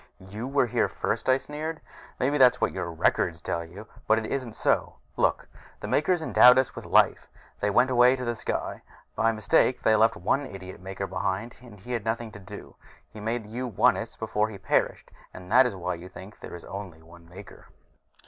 "You were here first!" I sneered. "Maybe that's what your records tell you, but it isn't so. Look: the Makers endowed us with life, then went away in to the sky. By mistake they left one idiot Maker behind, and he had nothing to do. He made you Onists before he perished, and that is why you think there is only one Maker."